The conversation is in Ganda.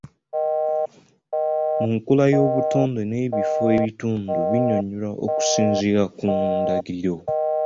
Mu nkula y'obutonde n'ebifo ebitundu binnyonyolwa kusinziira ku ndagiriro.